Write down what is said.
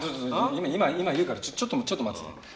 今今言うからちょっとちょっと待ってて。